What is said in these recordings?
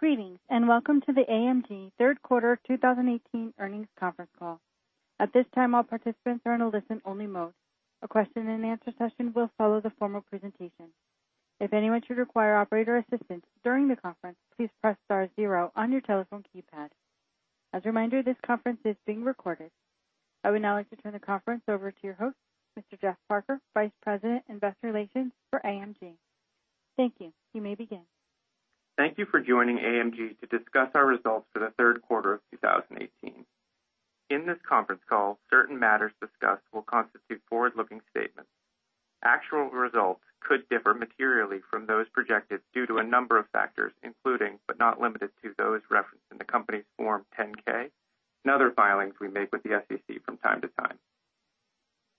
Greetings. Welcome to the AMG third quarter 2018 earnings conference call. At this time, all participants are in a listen-only mode. A question-and-answer session will follow the formal presentation. If anyone should require operator assistance during the conference, please press star zero on your telephone keypad. As a reminder, this conference is being recorded. I would now like to turn the conference over to your host, Mr. Jeffrey Parker, Vice President, Investor Relations for AMG. Thank you. You may begin. Thank you for joining AMG to discuss our results for the third quarter of 2018. In this conference call, certain matters discussed will constitute forward-looking statements. Actual results could differ materially from those projected due to a number of factors, including but not limited to those referenced in the company's Form 10-K and other filings we make with the SEC from time to time.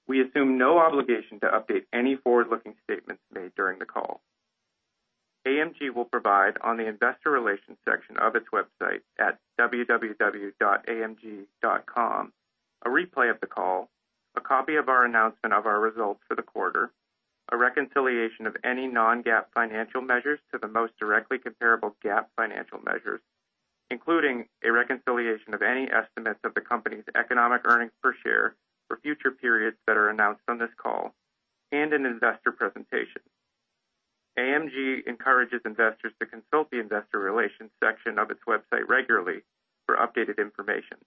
We assume no obligation to update any forward-looking statements made during the call. AMG will provide, on the investor relations section of its website at www.amg.com, a replay of the call, a copy of our announcement of our results for the quarter, a reconciliation of any non-GAAP financial measures to the most directly comparable GAAP financial measures, including a reconciliation of any estimates of the company's economic earnings per share for future periods that are announced on this call, and an investor presentation. AMG encourages investors to consult the investor relations section of its website regularly for updated information.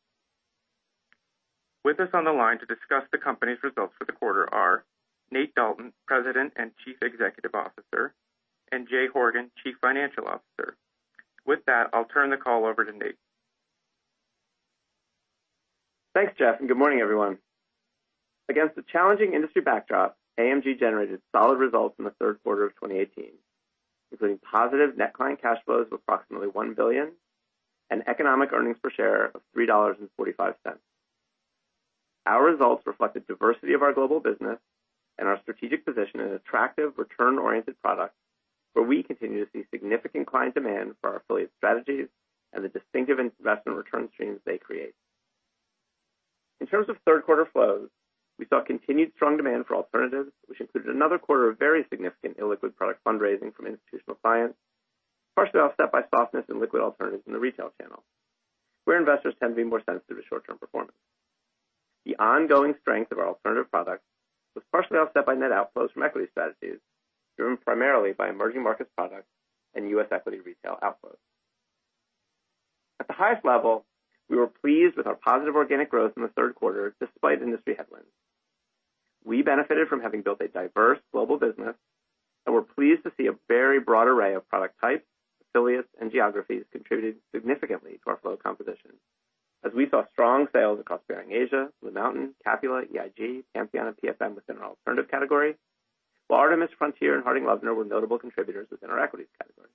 With us on the line to discuss the company's results for the quarter are Nathaniel Dalton, President and Chief Executive Officer, and Jay Horgen, Chief Financial Officer. With that, I'll turn the call over to Nate. Thanks, Jeff. Good morning, everyone. Against a challenging industry backdrop, AMG generated solid results in the third quarter of 2018, including positive net client cash flows of approximately $1 billion and economic earnings per share of $3.45. Our results reflect the diversity of our global business and our strategic position in attractive, return-oriented products, where we continue to see significant client demand for our affiliate strategies and the distinctive investment return streams they create. In terms of third quarter flows, we saw continued strong demand for alternatives, which included another quarter of very significant illiquid product fundraising from institutional clients, partially offset by softness in liquid alternatives in the retail channel, where investors tend to be more sensitive to short-term performance. The ongoing strength of our alternative products was partially offset by net outflows from equity strategies, driven primarily by emerging markets products and U.S. equity retail outflows. At the highest level, we were pleased with our positive organic growth in the third quarter despite industry headwinds. We benefited from having built a diverse global business, and we're pleased to see a very broad array of product types, affiliates, and geographies contributed significantly to our flow composition, as we saw strong sales across Baring Asia, BlueMountain, Capula, EIG, Pantheon, and PFM within our alternative category, while Artemis, Frontier, and Harding Loevner were notable contributors within our equities category.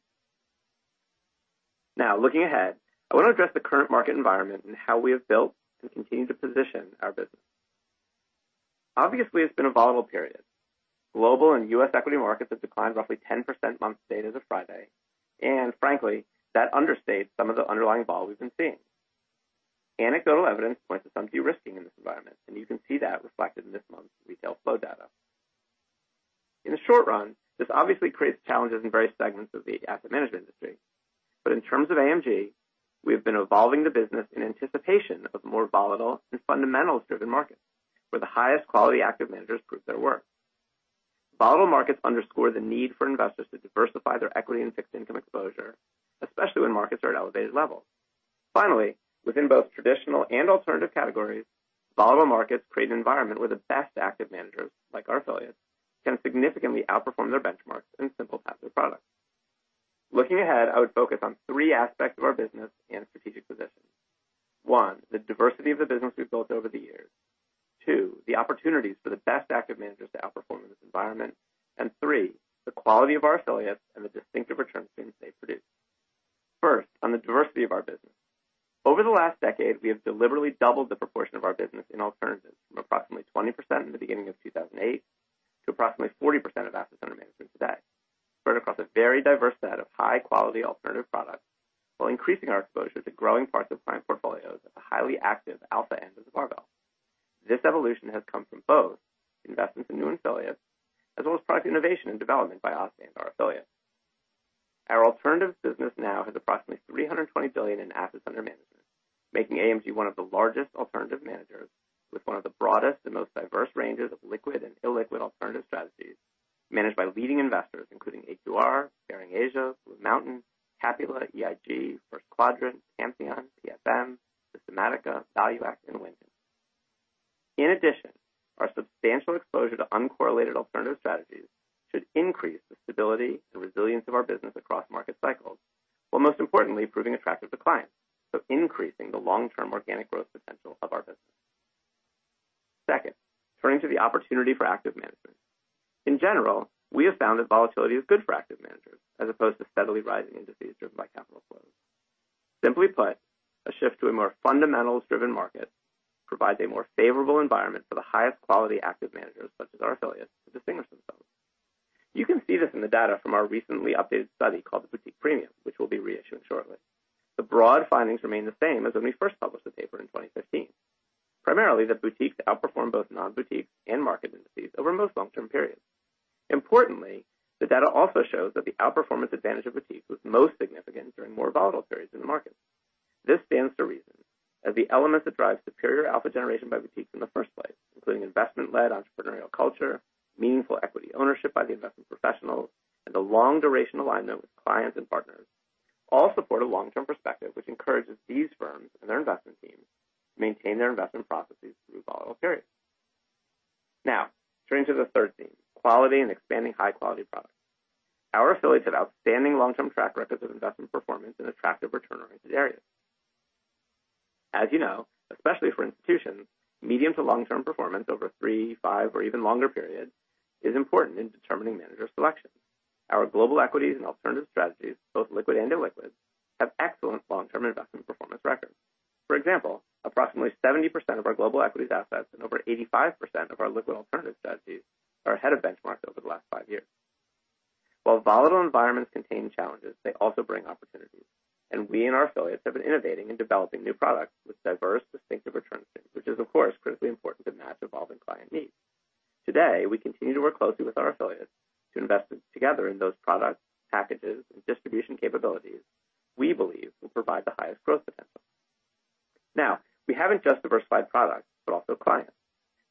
Looking ahead, I want to address the current market environment and how we have built and continue to position our business. Obviously, it's been a volatile period. Global and U.S. equity markets have declined roughly 10% month to date as of Friday, and frankly, that understates some of the underlying vol we've been seeing. Anecdotal evidence points to some de-risking in this environment. You can see that reflected in this month's retail flow data. In the short run, this obviously creates challenges in various segments of the asset management industry. In terms of AMG, we have been evolving the business in anticipation of more volatile and fundamentals-driven markets where the highest quality active managers prove their worth. Volatile markets underscore the need for investors to diversify their equity and fixed income exposure, especially when markets are at elevated levels. Finally, within both traditional and alternative categories, volatile markets create an environment where the best active managers, like our affiliates, can significantly outperform their benchmarks and simple types of products. Looking ahead, I would focus on three aspects of our business and strategic position. One, the diversity of the business we've built over the years. Two, the opportunities for the best active managers to outperform in this environment. Three, the quality of our affiliates and the distinctive return streams they produce. First, on the diversity of our business. Over the last decade, we have deliberately doubled the proportion of our business in alternatives from approximately 20% in the beginning of 2008 to approximately 40% of assets under management today, spread across a very diverse set of high-quality alternative products, while increasing our exposure to growing parts of client portfolios at the highly active alpha end of the barbell. This evolution has come from both investments in new affiliates, as well as product innovation and development by us and our affiliates. Our alternatives business now has approximately $320 billion in assets under management, making AMG one of the largest alternative managers with one of the broadest and most diverse ranges of liquid and illiquid alternative strategies managed by leading investors including AQR, Baring Asia, BlueMountain, Capula, EIG, First Quadrant, Campion, PSM, Systematica, ValueAct, and Winton. In addition, our substantial exposure to uncorrelated alternative strategies should increase the stability and resilience of our business across market cycles, while most importantly, proving attractive to clients, increasing the long-term organic growth potential of our business. Second, turning to the opportunity for active management. In general, we have found that volatility is good for active managers, as opposed to steadily rising indices driven by capital flows. Simply put, a shift to a more fundamentals-driven market provides a more favorable environment for the highest quality active managers, such as our affiliates, to distinguish themselves. You can see this in the data from our recently updated study called The Boutique Premium, which we'll be reissuing shortly. The broad findings remain the same as when we first published the paper in 2015. Primarily, that boutiques outperform both non-boutiques and market indices over most long-term periods. Importantly, the data also shows that the outperformance advantage of boutiques was most significant during more volatile periods in the market. This stands to reason, as the elements that drive superior alpha generation by boutiques in the first place, including investment-led entrepreneurial culture, meaningful equity ownership by the investment professionals, and the long-duration alignment with clients and partners, all support a long-term perspective, which encourages these firms and their investment teams to maintain their investment processes through volatile periods. Turning to the third theme, quality and expanding high-quality products. Our affiliates have outstanding long-term track records of investment performance in attractive return-oriented areas. As you know, especially for institutions, medium to long-term performance over three, five, or even longer periods is important in determining manager selections. Our global equities and alternative strategies, both liquid and illiquid, have excellent long-term investment performance records. For example, approximately 70% of our global equities assets and over 85% of our liquid alternative strategies are ahead of benchmarks over the last five years. While volatile environments contain challenges, they also bring opportunities, and we and our affiliates have been innovating and developing new products with diverse, distinctive return streams, which is of course critically important to match evolving client needs. Today, we continue to work closely with our affiliates to invest together in those products, packages, and distribution capabilities we believe will provide the highest growth potential. We haven't just diversified products, but also clients.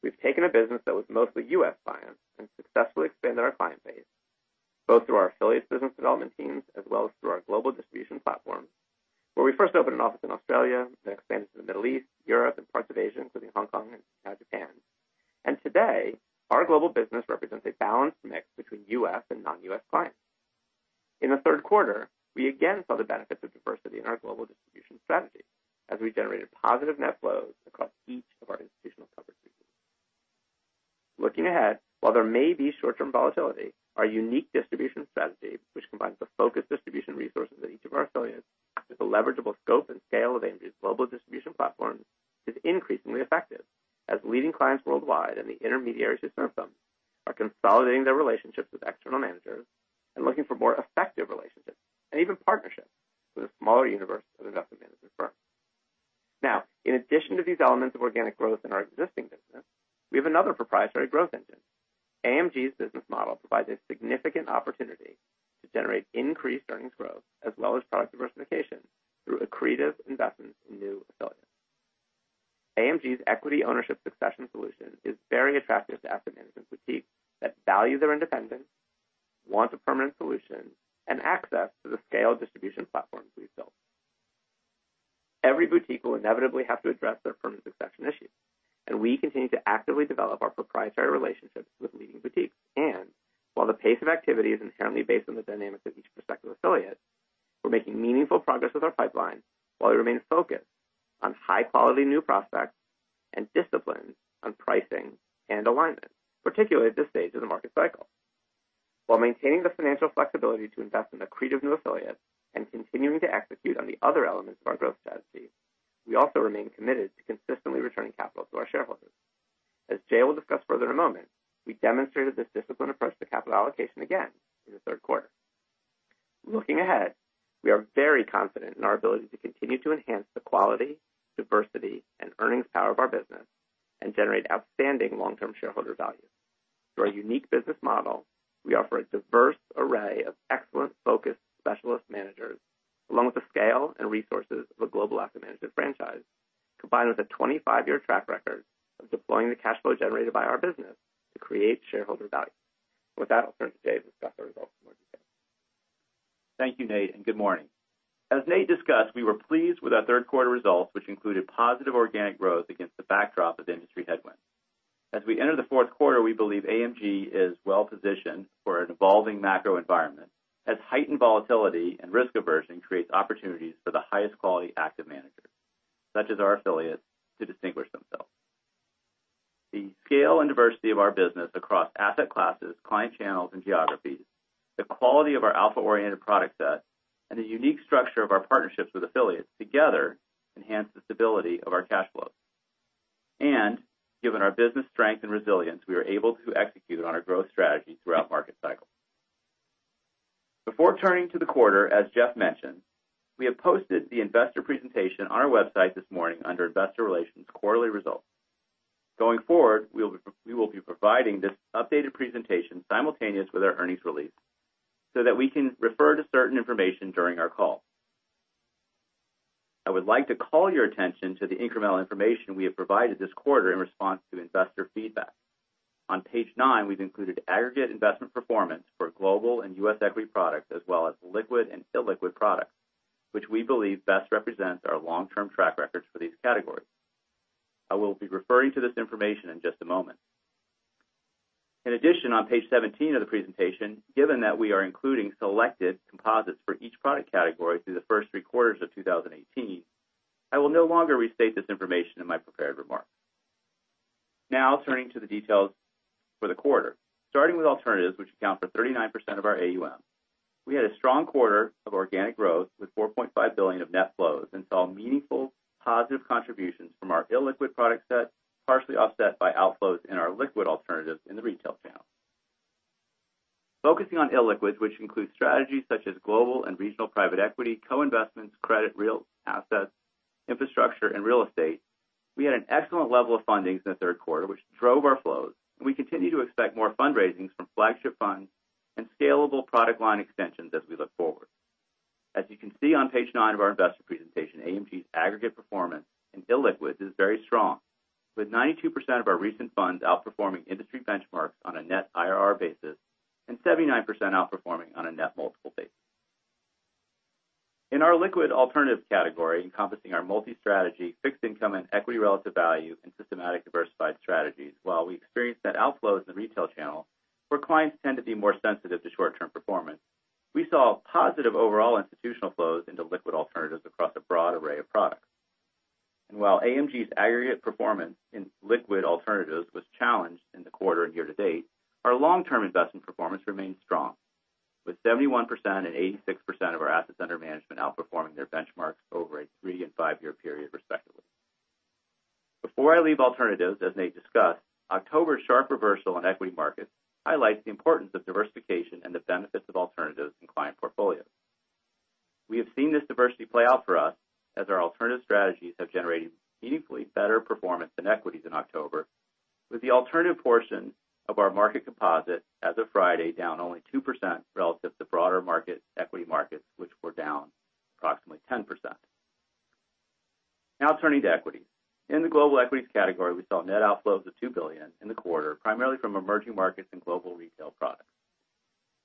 We've taken a business that was mostly U.S. clients and successfully expanded our client base, both through our affiliates' business development teams as well as through our global distribution platform, where we first opened an office in Australia, then expanded to the Middle East, Europe, and parts of Asia, including Hong Kong and now Japan. Today, our global business represents a balanced mix between U.S. and non-U.S. clients. In the third quarter, we again saw the benefits of diversity in our global distribution strategy, as we generated positive net flows across each of our institutional coverage regions. Looking ahead, while there may be short-term volatility, our unique distribution strategy, which combines the focused distribution resources of each of our affiliates with the leverageable scope and scale of AMG's global distribution platform, is increasingly effective. As leading clients worldwide and the intermediaries that serve them are consolidating their relationships with external managers and looking for more effective relationships, and even partnerships, with a smaller universe of investment management firms. In addition to these elements of organic growth in our existing business, we have another proprietary growth engine. AMG's business model provides a significant opportunity to generate increased earnings growth as well as product diversification through accretive investments in new affiliates. AMG's equity ownership succession solution is very attractive to asset management boutiques that value their independence, want a permanent solution, and access to the scaled distribution platforms we've built. Every boutique will inevitably have to address their permanent succession issue, and we continue to actively develop our proprietary relationships with leading boutiques. While the pace of activity is inherently based on the dynamics of each prospective affiliate, we're making meaningful progress with our pipeline while we remain focused on high-quality new prospects and disciplined on pricing and alignment, particularly at this stage of the market cycle. While maintaining the financial flexibility to invest in accretive new affiliates and continuing to execute on the other elements of our growth strategy, we also remain committed to consistently returning capital to our shareholders. As Jay will discuss further in a moment, we demonstrated this disciplined approach to capital allocation again in the third quarter. Looking ahead, we are very confident in our ability to continue to enhance the quality, diversity, and earnings power of our business and generate outstanding long-term shareholder value. Through our unique business model, we offer a diverse array of excellent focused specialist managers, along with the scale and resources of a global asset management franchise, combined with a 25-year track record of deploying the cash flow generated by our business to create shareholder value. With that, I'll turn to Jay to discuss the results in more detail. Thank you, Nate. Good morning. As Nate discussed, we were pleased with our third quarter results, which included positive organic growth against the backdrop of industry headwinds. As we enter the fourth quarter, we believe AMG is well-positioned for an evolving macro environment, as heightened volatility and risk aversion creates opportunities for the highest quality active managers, such as our affiliates, to distinguish themselves. The scale and diversity of our business across asset classes, client channels, and geographies, the quality of our alpha-oriented product set, and the unique structure of our partnerships with affiliates together enhance the stability of our cash flows. Given our business strength and resilience, we are able to execute on our growth strategy throughout market cycles. Before turning to the quarter, as Jeff mentioned, we have posted the investor presentation on our website this morning under Investor Relations Quarterly Results. Going forward, we will be providing this updated presentation simultaneous with our earnings release so that we can refer to certain information during our call. I would like to call your attention to the incremental information we have provided this quarter in response to investor feedback. On page nine, we've included aggregate investment performance for global and U.S. equity products, as well as liquid and illiquid products, which we believe best represents our long-term track records for these categories. I will be referring to this information in just a moment. In addition, on page 17 of the presentation, given that we are including selected composites for each product category through the first three quarters of 2018, I will no longer restate this information in my prepared remarks. Now turning to the details for the quarter. Starting with alternatives, which account for 39% of our AUM, we had a strong quarter of organic growth with $4.5 billion of net flows and saw meaningful positive contributions from our illiquid product set, partially offset by outflows in our liquid alternatives in the retail channel. Focusing on illiquids, which includes strategies such as global and regional private equity, co-investments, credit, real assets, infrastructure, and real estate, we had an excellent level of fundings in the third quarter, which drove our flows. We continue to expect more fundraisings from flagship funds and scalable product line extensions as we look forward. As you can see on page nine of our investor presentation, AMG's aggregate performance in illiquids is very strong, with 92% of our recent funds outperforming industry benchmarks on a net IRR basis and 79% outperforming on a net multiple basis. In our liquid alternatives category, encompassing our multi-strategy, fixed income, and equity relative value, and systematic diversified strategies, while we experienced net outflows in the retail channel, where clients tend to be more sensitive to short-term performance, we saw positive overall institutional flows into liquid alternatives across a broad array of products. While AMG's aggregate performance in liquid alternatives was challenged in the quarter and year to date, our long-term investment performance remains strong, with 71% and 86% of our assets under management outperforming their benchmarks over a three and five-year period, respectively. Before I leave alternatives, as Nate discussed, October's sharp reversal in equity markets highlights the importance of diversification and the benefits of alternatives in client portfolios. We have seen this diversity play out for us as our alternative strategies have generated meaningfully better performance than equities in October, with the alternative portion of our market composite as of Friday down only 2% relative to broader market equity markets, which were down approximately 10%. Now turning to equities. In the global equities category, we saw net outflows of $2 billion in the quarter, primarily from emerging markets and global retail products.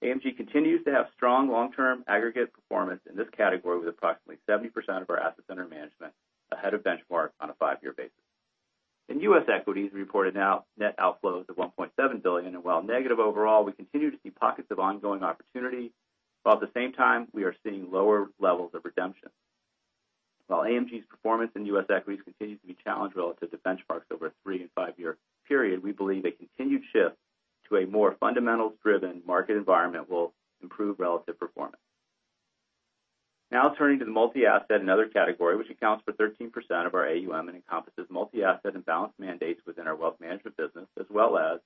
AMG continues to have strong long-term aggregate performance in this category, with approximately 70% of our assets under management ahead of benchmark on a five-year basis. In U.S. equities, we reported net outflows of $1.7 billion, while negative overall, we continue to see pockets of ongoing opportunity, while at the same time, we are seeing lower levels of redemption. While AMG's performance in U.S. equities continues to be challenged relative to benchmarks over a three and five-year period, we believe a continued shift to a more fundamentals-driven market environment will improve relative performance. Now turning to the multi-asset and other category, which accounts for 13% of our AUM and encompasses multi-asset and balanced mandates within our wealth management business, as well as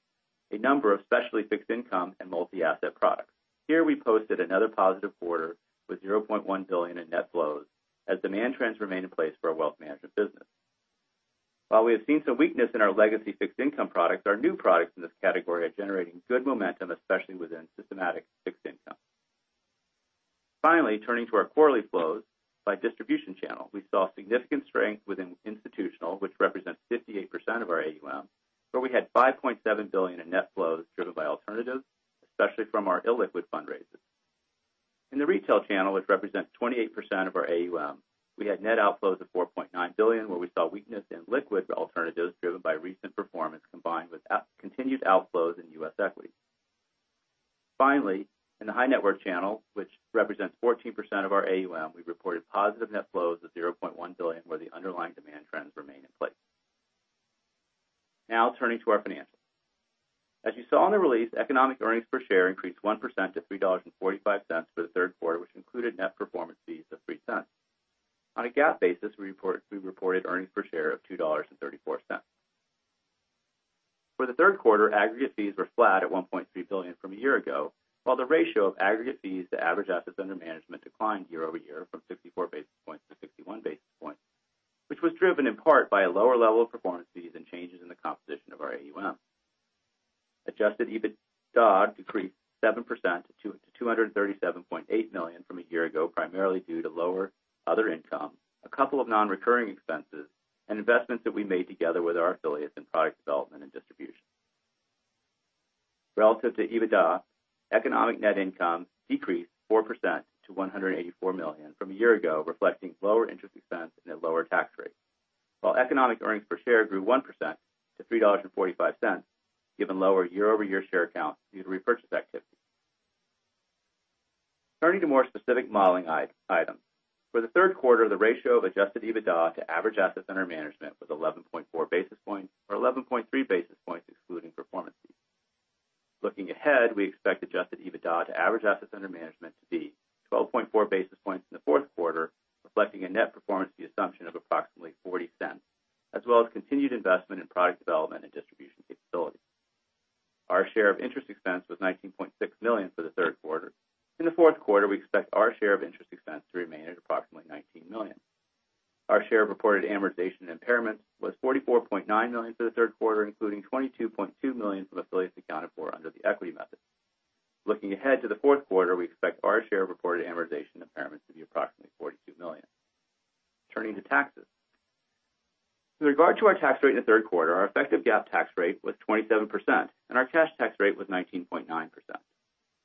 a number of specialty fixed income and multi-asset products. Here we posted another positive quarter with $0.1 billion in net flows as demand trends remain in place for our wealth management business. While we have seen some weakness in our legacy fixed income products, our new products in this category are generating good momentum, especially within systematic fixed income. Finally, turning to our quarterly flows by distribution channel. We saw significant strength within institutional, which represents 58% of our AUM, where we had $5.7 billion in net flows driven by alternatives, especially from our illiquid fundraisers. In the retail channel, which represents 28% of our AUM, we had net outflows of $4.9 billion, where we saw weakness in liquid alternatives driven by recent performance, combined with continued outflows in U.S. equities. Finally, in the high-net worth channel, which represents 14% of our AUM, we reported positive net flows of $0.1 billion, where the underlying demand trends remain in place. Turning to our financials. As you saw in the release, economic earnings per share increased 1% to $3.45 for the third quarter, which included net performance fees of $0.03. On a GAAP basis, we reported earnings per share of $2.34. For the third quarter, aggregate fees were flat at $1.3 billion from a year ago, while the ratio of aggregate fees to average assets under management declined year-over-year from 64 basis points to 61 basis points, which was driven in part by a lower level of performance fees and changes in the composition of our AUM. Adjusted EBITDA decreased 7% to $237.8 million from a year ago, primarily due to lower other income, a couple of non-recurring expenses, and investments that we made together with our affiliates in product development and distribution. Relative to EBITDA, economic net income decreased 4% to $184 million from a year ago, reflecting lower interest expense and a lower tax rate. While economic earnings per share grew 1% to $3.45, given lower year-over-year share count due to repurchase activity. Turning to more specific modeling items. For the third quarter, the ratio of adjusted EBITDA to average assets under management was 11.4 basis points or 11.3 basis points excluding performance fees. Looking ahead, we expect adjusted EBITDA to average assets under management to be 12.4 basis points in the fourth quarter, reflecting a net performance fee assumption of approximately $0.40, as well as continued investment in product development and distribution capabilities. Our share of interest expense was $19.6 million for the third quarter. In the fourth quarter, we expect our share of interest expense to remain at approximately $19 million. Our share of reported amortization impairments was $44.9 million for the third quarter, including $22.2 million from affiliates accounted for under the equity method. Looking ahead to the fourth quarter, we expect our share of reported amortization impairments to be approximately $42 million. Turning to taxes. With regard to our tax rate in the third quarter, our effective GAAP tax rate was 27%, and our cash tax rate was 19.9%.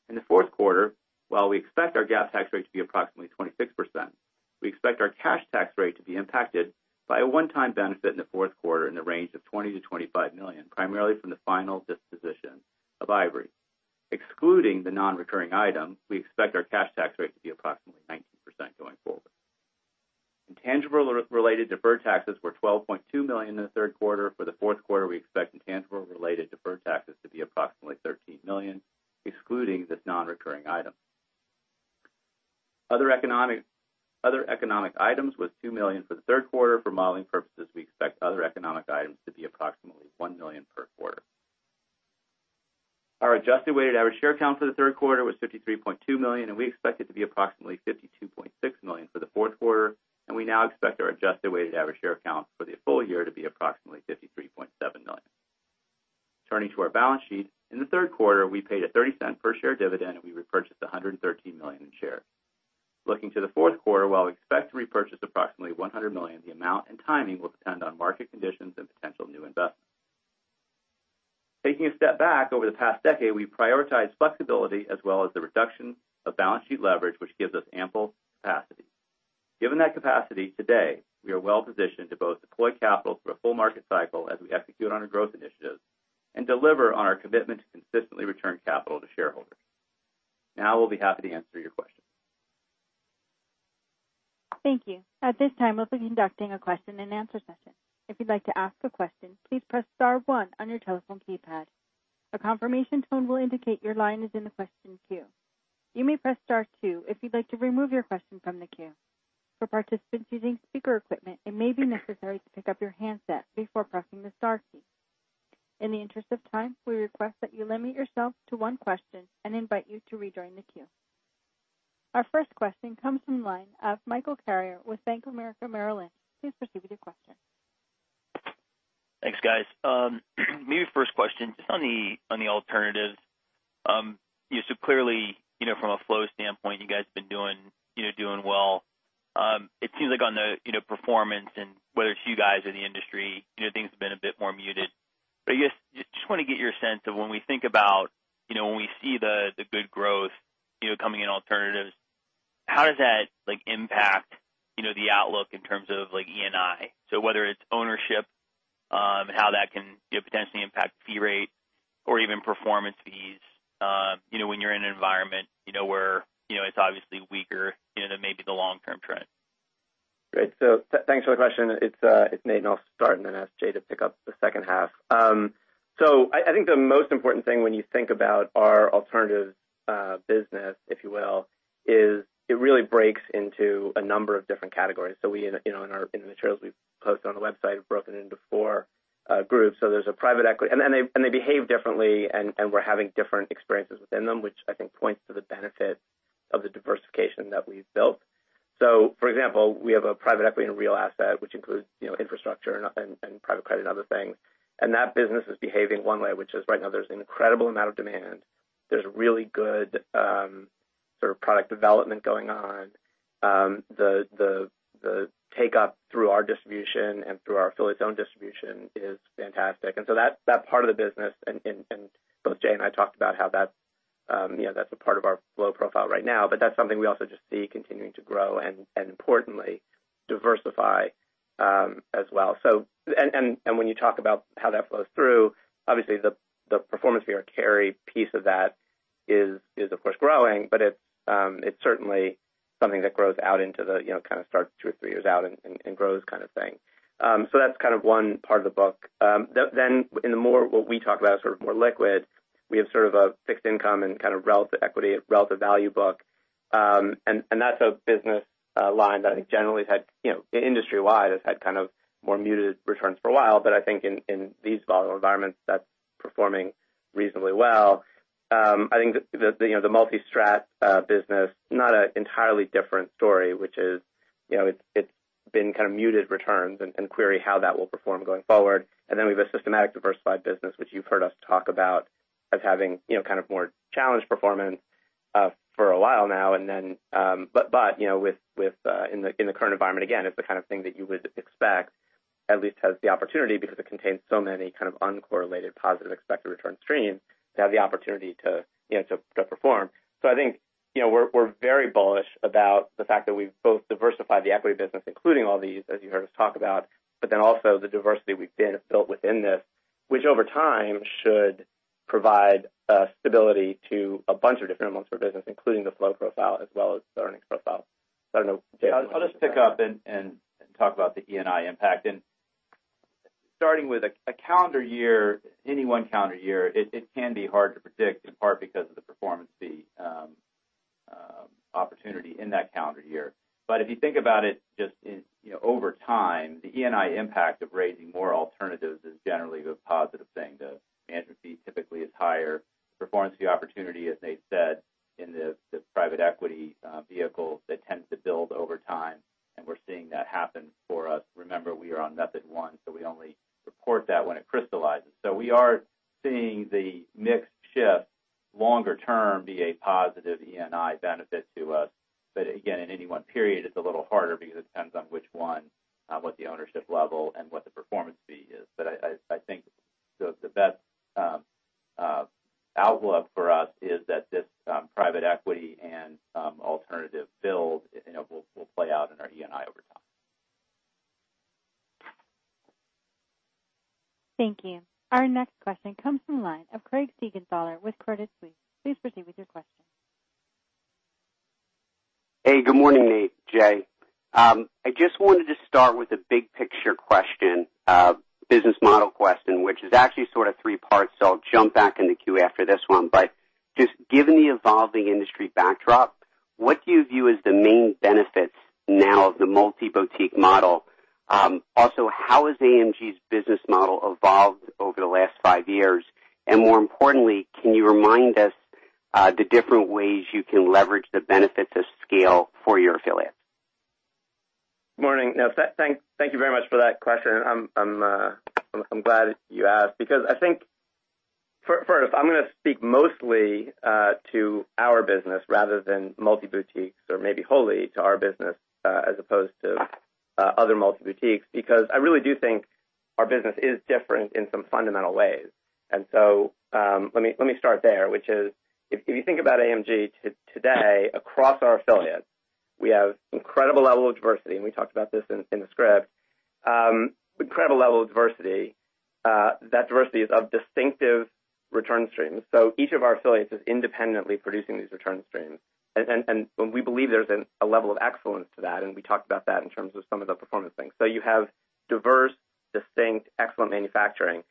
In the fourth quarter, while we expect our GAAP tax rate to be approximately 26%, we expect our cash tax rate to be impacted by a one-time benefit in the fourth quarter in the range of $20 million-$25 million, primarily from the final disposition of Ivory. Excluding the non-recurring item, we expect our cash tax rate to be approximately 19% going forward. Intangible-related deferred taxes were $12.2 million in the third quarter. For the fourth quarter, we expect intangible-related deferred taxes to be approximately $13 million, excluding this non-recurring item. Other economic items was $2 million for the third quarter. For modeling purposes, we expect other economic items to be approximately $1 million per quarter. Our adjusted weighted average share count for the third quarter was 53.2 million, and we expect it to be approximately 52.6 million for the fourth quarter, and we now expect our adjusted weighted average share count for the full year to be approximately 53.7 million. Turning to our balance sheet. In the third quarter, we paid a $0.30 per share dividend, and we repurchased $113 million in shares. Looking to the fourth quarter, while we expect to repurchase approximately $100 million, the amount and timing will depend on market conditions and potential new investments. Taking a step back, over the past decade, we've prioritized flexibility as well as the reduction of balance sheet leverage, which gives us ample capacity. Given that capacity, today, we are well-positioned to both deploy capital through a full market cycle as we execute on our growth initiatives and deliver on our commitment to consistently return capital to shareholders. I will be happy to answer your questions. Thank you. At this time, we'll be conducting a question and answer session. If you'd like to ask a question, please press star one on your telephone keypad. A confirmation tone will indicate your line is in the question queue. You may press star two if you'd like to remove your question from the queue. For participants using speaker equipment, it may be necessary to pick up your handset before pressing the star key. In the interest of time, we request that you limit yourself to one question and invite you to rejoin the queue. Our first question comes from the line of Michael Carrier with Bank of America Merrill Lynch. Please proceed with your question. Thanks, guys. First question, just on the alternatives. Clearly, from a flow standpoint, you guys have been doing well. It seems like on the performance and whether it's you guys or the industry, things have been a bit more muted. I guess, just want to get your sense of when we think about when we see the good growth coming in alternatives, how does that impact the outlook in terms of ENI? Whether it's ownership, how that can potentially impact fee rate or even performance fees when you're in an environment where it's obviously weaker than maybe the long-term trend. Thanks for the question. It's Nate, I'll start and then ask Jay to pick up the second half. I think the most important thing when you think about our alternatives business, if you will, is it really breaks into a number of different categories. In the materials we've posted on the website, we've broken into four groups. There's a private equity-- They behave differently, and we're having different experiences within them, which I think points to the benefit of the diversification that we've built. For example, we have a private equity and real asset, which includes infrastructure and private credit, other things. That business is behaving one way, which is right now there's an incredible amount of demand. There's really good sort of product development going on. The take up through our distribution and through our affiliate's own distribution is fantastic. That part of the business, both Jay and I talked about how that's a part of our flow profile right now, but that's something we also just see continuing to grow and importantly, diversify as well. When you talk about how that flows through, obviously the performance fee or carry piece of that is, of course, growing, but it's certainly something that grows out into the kind of starts two or three years out and grows kind of thing. That's one part of the book. In the more what we talk about sort of more liquid, we have sort of a fixed income and kind of relative equity, relative value book. That's a business line that I think generally has had, industry-wide, has had kind of more muted returns for a while. But I think in these volatile environments, that's performing reasonably well. I think the multi-strat business, not an entirely different story, which is it's been kind of muted returns and query how that will perform going forward. We have a systematic diversified business, which you've heard us talk about as having more challenged performance for a while now. But in the current environment, again, it's the kind of thing that you would expect at least has the opportunity because it contains so many kind of uncorrelated positive expected return streams to have the opportunity to perform. I think we're very bullish about the fact that we've both diversified the equity business, including all these, as you heard us talk about, also the diversity we've built within this, which over time should provide stability to a bunch of different elements for business, including the flow profile as well as the earnings profile. I don't know, Jay- I'll just pick up and talk about the ENI impact. Starting with a calendar year, any one calendar year, it can be hard to predict, in part because of the performance fee opportunity in that calendar year. If you think about it just over time, the ENI impact of raising more alternatives is generally a positive thing. The management fee typically is higher. Performance fee opportunity, as Nate said, in the private equity vehicles that tend to build over time, and we're seeing that happen for us. Remember, we are on Method 1, so we only report that when it crystallizes. We are seeing the mix shift longer term be a positive ENI benefit to us. Again, in any one period, it's a little harder because it depends on which one, what the ownership level, and what the performance fee is. I think the best outlook for us is that this private equity and alternative build will play out in our ENI over time. Thank you. Our next question comes from the line of Craig Siegenthaler with Credit Suisse. Please proceed with your question. Hey, good morning, Nate, Jay. I just wanted to start with a big picture question, business model question, which is actually sort of three parts, so I'll jump back in the queue after this one. Just given the evolving industry backdrop, what do you view as the main benefits now of the multi-boutique model? How has AMG's business model evolved over the last five years? More importantly, can you remind us the different ways you can leverage the benefits of scale for your affiliates? Morning. Thank you very much for that question. I'm glad you asked because I think, first, I'm going to speak mostly to our business rather than multi-boutiques or maybe wholly to our business as opposed to other multi-boutiques, because I really do think our business is different in some fundamental ways. Let me start there, which is, if you think about AMG today across our affiliates, we have incredible level of diversity, and we talked about this in the script. Incredible level of diversity. That diversity is of distinctive return streams. Each of our affiliates is independently producing these return streams. We believe there's a level of excellence to that, and we talked about that in terms of some of the performance things. You have diverse, distinct, excellent manufacturing.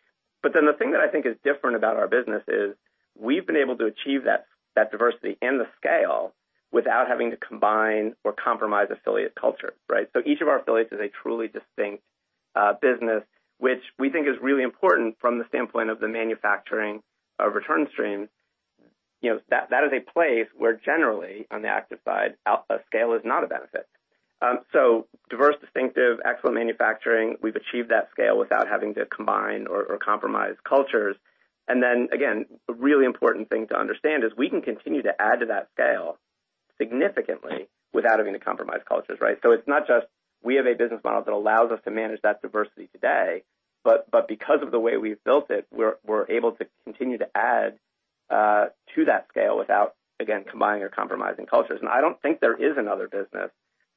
The thing that I think is different about our business is we've been able to achieve that diversity and the scale without having to combine or compromise affiliate culture, right? Each of our affiliates is a truly distinct business, which we think is really important from the standpoint of the manufacturing return stream. That is a place where generally on the active side, scale is not a benefit. Diverse, distinctive, excellent manufacturing. We've achieved that scale without having to combine or compromise cultures. Again, a really important thing to understand is we can continue to add to that scale significantly without having to compromise cultures, right? It's not just we have a business model that allows us to manage that diversity today, but because of the way we've built it, we're able to continue to add to that scale without, again, combining or compromising cultures. I don't think there is another business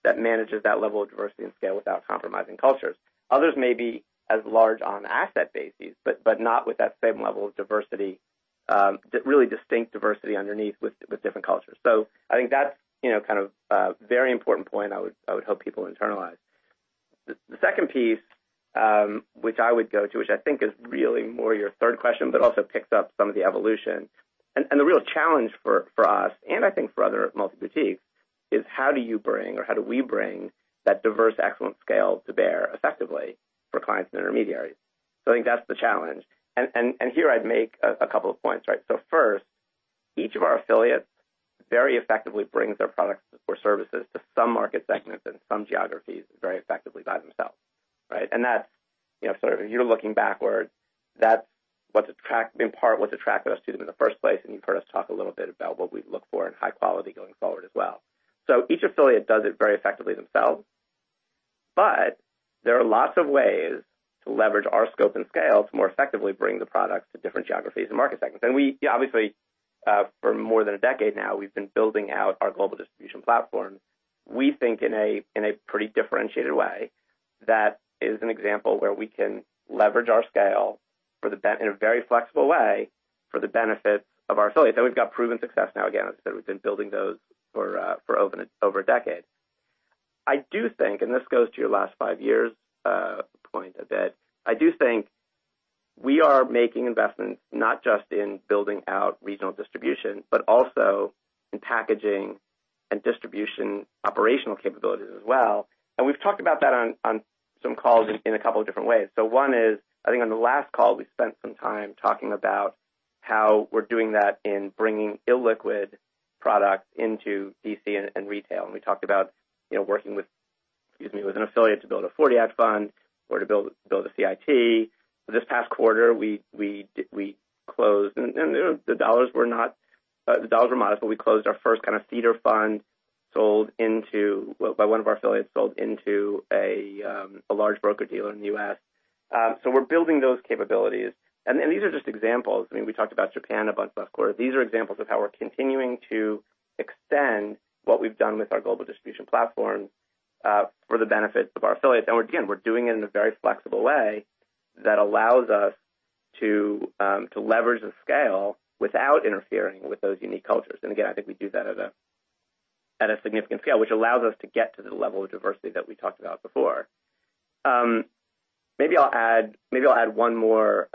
that manages that level of diversity and scale without compromising cultures. Others may be as large on asset bases, but not with that same level of diversity, really distinct diversity underneath with different cultures. I think that's kind of a very important point I would hope people internalize. The second piece which I would go to, which I think is really more your third question, but also picks up some of the evolution. The real challenge for us, and I think for other multi-boutiques, is how do you bring, or how do we bring that diverse excellent scale to bear effectively for clients and intermediaries? I think that's the challenge. Here I'd make a couple of points, right? First, each of our affiliates very effectively brings their products or services to some market segments and some geographies very effectively by themselves, right? That's sort of you're looking backward. That's in part what's attracted us to them in the first place, and you've heard us talk a little bit about what we look for in high quality going forward as well. Each affiliate does it very effectively themselves. There are lots of ways to leverage our scope and scale to more effectively bring the product to different geographies and market segments. We obviously for more than a decade now, we've been building out our global distribution platform. We think in a pretty differentiated way that is an example where we can leverage our scale in a very flexible way for the benefit of our affiliates. We've got proven success now, again, as I said, we've been building those for over a decade. I do think, and this goes to your last five years point that I do think we are making investments not just in building out regional distribution, but also in packaging and distribution operational capabilities as well. We've talked about that on some calls in a couple of different ways. One is, I think on the last call, we spent some time talking about how we're doing that in bringing illiquid product into D.C. and retail, and we talked about working with an affiliate to build a '40 Act fund or to build a CIT. This past quarter, we closed. The dollars were modest, but we closed our first kind of seeder fund by one of our affiliates sold into a large broker-dealer in the U.S. We're building those capabilities. These are just examples. We talked about Japan a bunch last quarter. These are examples of how we're continuing to extend what we've done with our global distribution platform for the benefit of our affiliates. Again, we're doing it in a very flexible way that allows us to leverage the scale without interfering with those unique cultures. Again, I think we do that at a significant scale, which allows us to get to the level of diversity that we talked about before. Maybe I'll add one more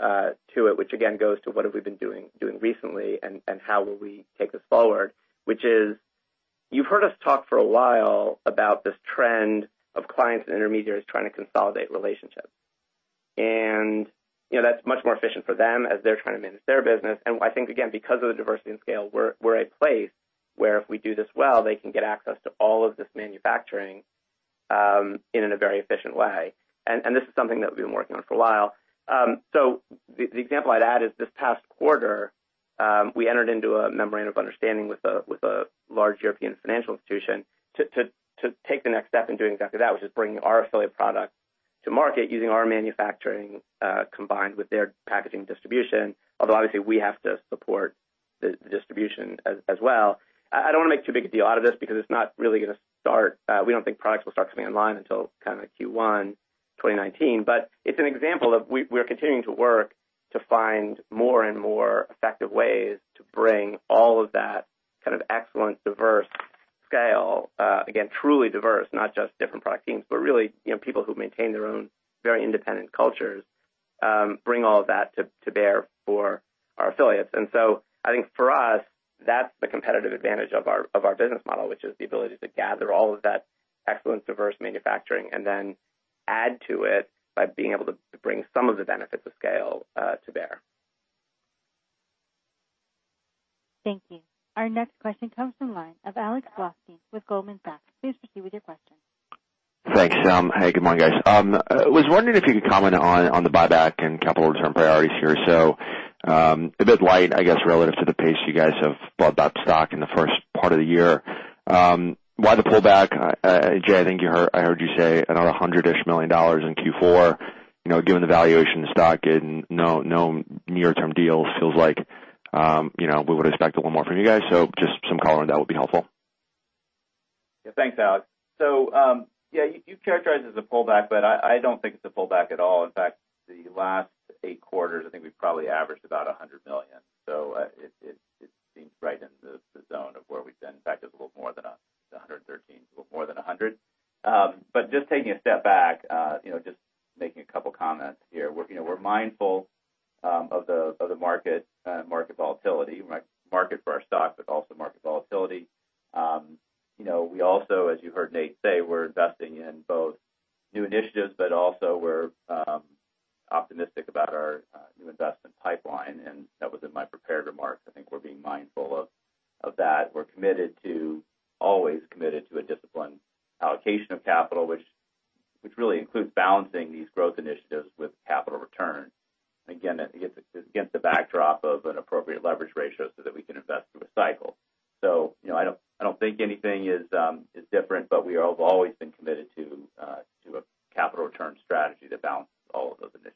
to it, which again goes to what have we been doing recently and how will we take this forward, which is you've heard us talk for a while about this trend of clients and intermediaries trying to consolidate relationships. That's much more efficient for them as they're trying to manage their business. I think, again, because of the diversity and scale, we're a place where if we do this well, they can get access to all of this manufacturing in a very efficient way. This is something that we've been working on for a while. The example I'd add is this past quarter we entered into a memorandum of understanding with a large European financial institution to take the next step in doing exactly that, which is bringing our affiliate product to market using our manufacturing combined with their packaging distribution. Although obviously we have to support the distribution as well. I don't want to make too big a deal out of this because it's not really going to start. We don't think products will start coming online until kind of Q1 2019. It's an example of we're continuing to work to find more and more effective ways to bring all of that kind of excellent, diverse scale. Again, truly diverse, not just different product teams, but really, people who maintain their own very independent cultures, bring all of that to bear for our affiliates. I think for us, that's the competitive advantage of our business model, which is the ability to gather all of that excellent diverse manufacturing and then add to it by being able to bring some of the benefits of scale to bear. Thank you. Our next question comes from the line of Alex Blostein with Goldman Sachs. Please proceed with your question. Thanks. Hey, good morning, guys. I was wondering if you could comment on the buyback and capital return priorities here. A bit light, I guess, relative to the pace you guys have bought back stock in the first part of the year. Why the pullback? Jay, I think I heard you say around $100-ish million in Q4. Given the valuation of the stock and no near-term deals, feels like we would expect a little more from you guys. Just some color on that would be helpful. Thanks, Alex. You characterized it as a pullback, but I don't think it's a pullback at all. In fact, the last eight quarters, I think we've probably averaged about $100 million. It seems right in the zone of where we've been. In fact, it's a little more than $113, so a little more than $100. Just taking a step back, just making a couple comments here. We're mindful of the market volatility. Market for our stock, but also market volatility. We also, as you heard Nate say, we're investing in both new initiatives, but also we're optimistic about our new investment pipeline, and that was in my prepared remarks. I think we're being mindful of that. We're always committed to a disciplined allocation of capital, which really includes balancing these growth initiatives with capital returns. Again, it's against the backdrop of an appropriate leverage ratio so that we can invest through a cycle. I don't think anything is different, but we have always been committed to a capital return strategy that balances all of those initiatives.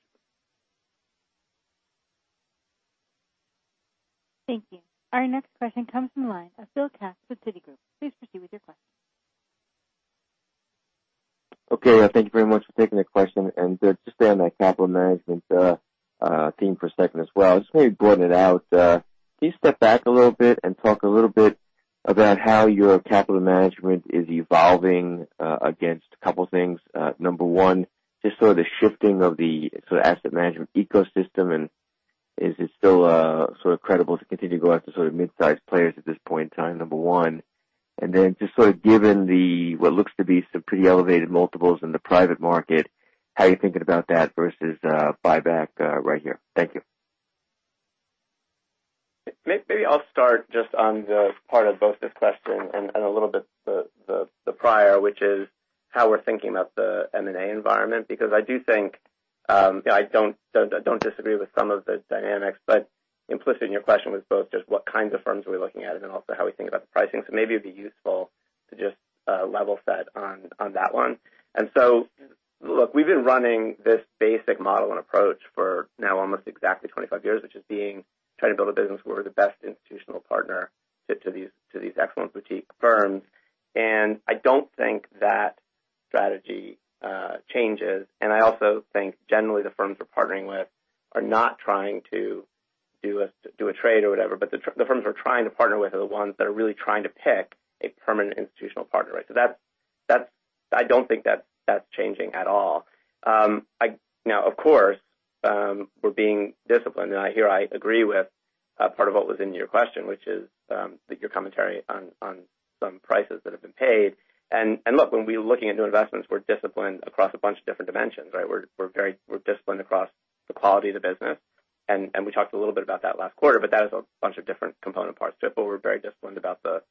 Thank you. Our next question comes from the line of Bill Katz with Citigroup. Please proceed with your question. Thank you very much for taking the question. Just stay on that capital management theme for a second as well, just maybe broaden it out. Can you step back a little bit and talk a little bit about how your capital management is evolving against a couple things. Number one, just sort of the shifting of the sort of asset management ecosystem, and is it still sort of credible to continue to go after sort of mid-size players at this point in time? Number one. Then just sort of given what looks to be some pretty elevated multiples in the private market, how are you thinking about that versus buyback right here? Thank you. Maybe I'll start just on the part of both this question and a little bit the prior, which is how we're thinking about the M&A environment, because I don't disagree with some of the dynamics, but implicit in your question was both just what kinds of firms are we looking at and then also how we think about the pricing. Maybe it'd be useful to just level set on that one. Look, we've been running this basic model and approach for now almost exactly 25 years, which is being, try to build a business where we're the best institutional partner fit to these excellent boutique firms. I don't think that strategy changes. I also think generally the firms we're partnering with are not trying to do a trade or whatever, but the firms we're trying to partner with are the ones that are really trying to pick a permanent institutional partner. I don't think that's changing at all. Now, of course, we're being disciplined, and here I agree with part of what was in your question, which is your commentary on some prices that have been paid. Look, when we're looking at new investments, we're disciplined across a bunch of different dimensions, right? We're disciplined across the quality of the business. We talked a little bit about that last quarter, but that has a bunch of different component parts to it. But we're very disciplined about the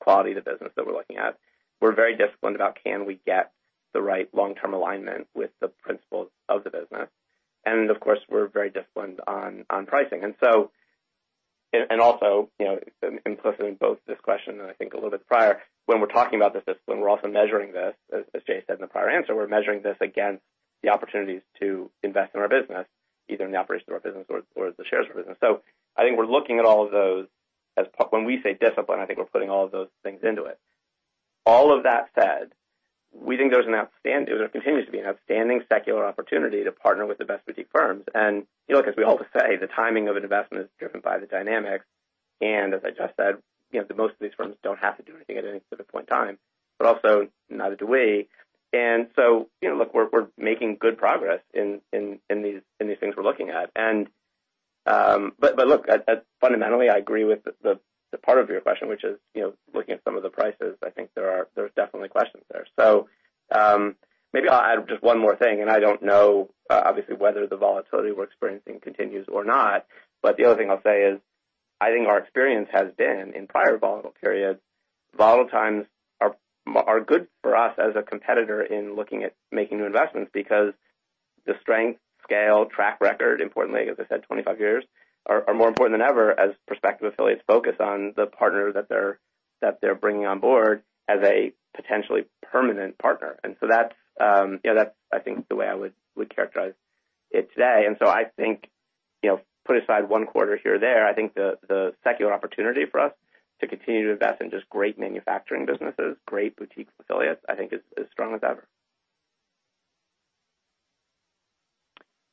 quality of the business that we're looking at. We're very disciplined about can we get the right long-term alignment with the principles of the business. Of course, we're very disciplined on pricing. Also implicit in both this question and I think a little bit prior, when we're talking about this discipline, we're also measuring this, as Jay said in the prior answer, we're measuring this against the opportunities to invest in our business, either in the operations of our business or the shares of the business. I think we're looking at all of those. When we say discipline, I think we're putting all of those things into it. All of that said, we think there continues to be an outstanding secular opportunity to partner with the best boutique firms. Look, as we always say, the timing of an investment is driven by the dynamics. As I just said, most of these firms don't have to do anything at any specific point in time, but also neither do we. Look, we're making good progress in these things we're looking at. Look, fundamentally, I agree with the part of your question, which is looking at some of the prices. I think there's definitely questions there. Maybe I'll add just one more thing, and I don't know, obviously, whether the volatility we're experiencing continues or not. The other thing I'll say is, I think our experience has been in prior volatile periods, volatile times are good for us as a competitor in looking at making new investments because the strength, scale, track record, importantly, as I said, 25 years, are more important than ever as prospective affiliates focus on the partner that they're bringing on board as a potentially permanent partner. That's I think the way I would characterize it today. I thinkPut aside one quarter here or there, I think the secular opportunity for us to continue to invest in just great manufacturing businesses, great boutique affiliates, I think is as strong as ever.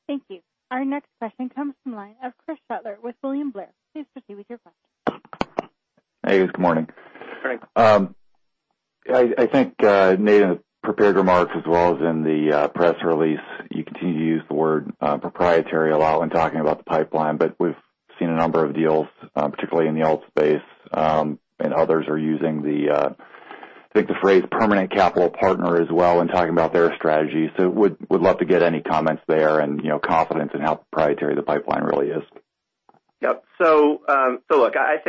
Thank you. Our next question comes from the line of Chris Shutler with William Blair. Please proceed with your question. Hey, good morning. Good morning. I think Nate in the prepared remarks as well as in the press release, you continue to use the word proprietary a lot when talking about the pipeline, but we've seen a number of deals, particularly in the alt space, and others are using the I think the phrase permanent capital partner as well in talking about their strategy. Would love to get any comments there and confidence in how proprietary the pipeline really is. Yep. Look, I'd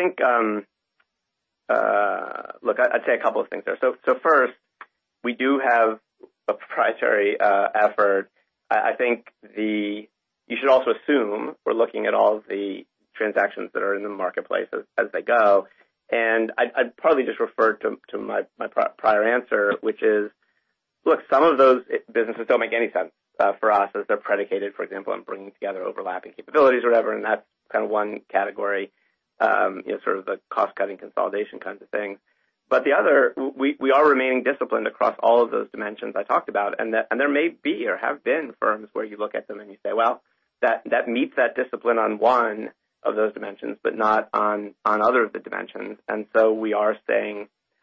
say a couple of things there. First, we do have a proprietary effort. I think you should also assume we're looking at all the transactions that are in the marketplace as they go. I'd probably just refer to my prior answer, which is, look, some of those businesses don't make any sense for us as they're predicated, for example, on bringing together overlapping capabilities or whatever, and that's kind of one category, sort of the cost-cutting consolidation kinds of things. The other, we are remaining disciplined across all of those dimensions I talked about. There may be or have been firms where you look at them and you say, "Well, that meets that discipline on one of those dimensions, but not on other of the dimensions."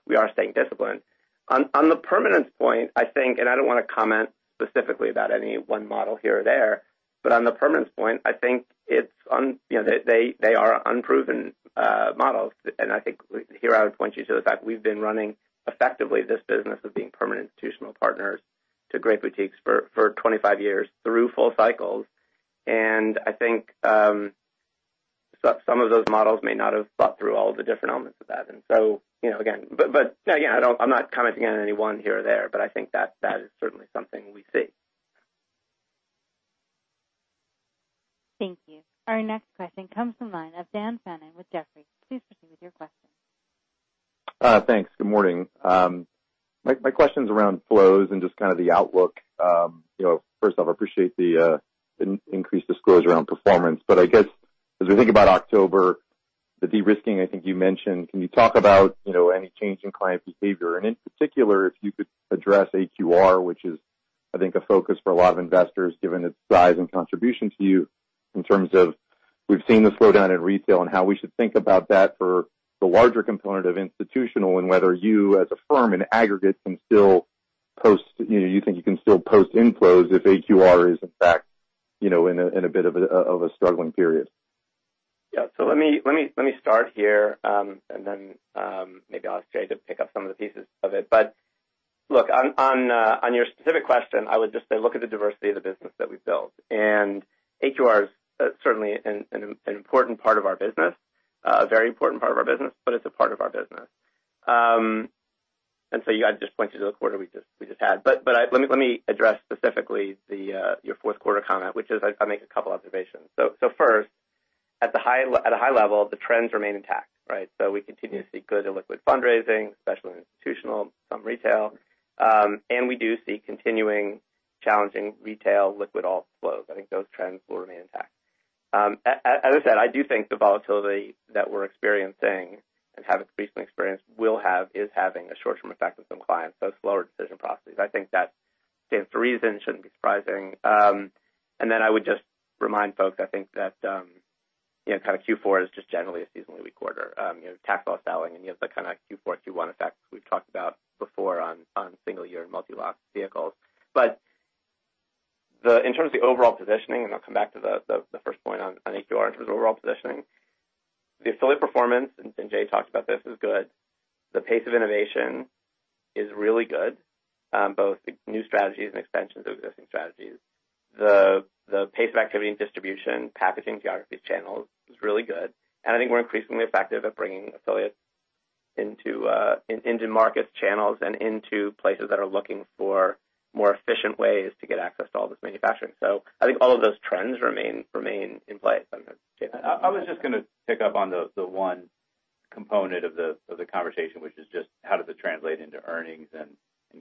We are staying disciplined. On the permanence point, I think, and I don't want to comment specifically about any one model here or there, but on the permanence point, I think they are unproven models. I think here I would point you to the fact we've been running effectively this business of being permanent institutional partners to great boutiques for 25 years through full cycles. I think some of those models may not have thought through all the different elements of that. Again, I'm not commenting on any one here or there, but I think that is certainly something we see. Thank you. Our next question comes from line of Dan Fannon with Jefferies. Please proceed with your question. Thanks. Good morning. My question's around flows and just kind of the outlook. First off, I appreciate the increased disclosure around performance. I guess as we think about October, the de-risking I think you mentioned, can you talk about any change in client behavior? In particular, if you could address AQR, which is, I think, a focus for a lot of investors, given its size and contribution to you in terms of we've seen the slowdown in retail and how we should think about that for the larger component of institutional and whether you as a firm in aggregate can still post. You think you can still post inflows if AQR is in fact in a bit of a struggling period. Yeah. Let me start here, and then maybe I'll ask Jay to pick up some of the pieces of it. Look, on your specific question, I would just say look at the diversity of the business that we've built. AQR is certainly an important part of our business, a very important part of our business, but it's a part of our business. I'd just point you to the quarter we just had. Let me address specifically your fourth quarter comment, which is I'll make a couple observations. First, at a high level, the trends remain intact, right? We continue to see good illiquid fundraising, especially in institutional, some retail. We do see continuing challenging retail liquid alt flows. I think those trends will remain intact. As I said, I do think the volatility that we're experiencing and have increasingly experienced is having a short-term effect with some clients, both slower decision processes. I think that stands to reason, shouldn't be surprising. I would just remind folks, I think that kind of Q4 is just generally a seasonally weak quarter. Tax loss selling and you have the kind of Q4, Q1 effects we've talked about before on single year and multi-year lock vehicles. In terms of the overall positioning, and I'll come back to the first point on AQR in terms of overall positioning, the affiliate performance, and Jay talked about this, is good. The pace of innovation is really good, both new strategies and expansions of existing strategies. The pace of activity and distribution, packaging geographies, channels is really good. I think we're increasingly effective at bringing affiliates into market channels and into places that are looking for more efficient ways to get access to all this manufacturing. I think all of those trends remain in place. I was just going to pick up on the one component of the conversation, which is just how does it translate into earnings and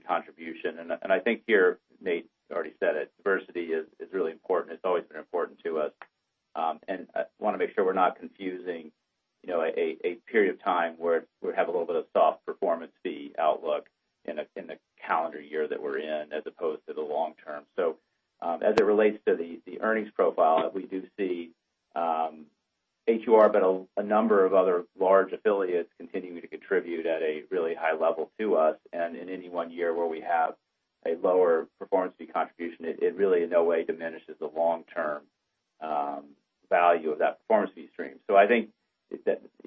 contribution. I think here, Nate already said it, diversity is really important. It's always been important to us. I want to make sure we're not confusing a period of time where we have a little bit of soft performance fee outlook in the calendar year that we're in as opposed to the long term. As it relates to the earnings profile that we do see, AQR but a number of other large affiliates continuing to contribute at a really high level to us. In any one year where we have a lower performance fee contribution, it really in no way diminishes the long-term value of that performance fee stream. I think